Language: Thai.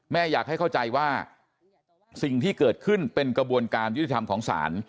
อยากให้เข้าใจว่าสิ่งที่เกิดขึ้นเป็นกระบวนการยุติธรรมของศาล